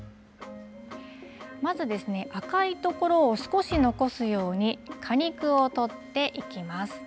まずですね、赤い所を少し残すように、果肉を取っていきます。